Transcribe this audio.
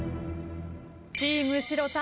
チーム城田